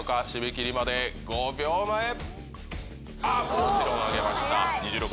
締め切りまで５秒前。